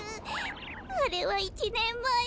あれは１ねんまえ。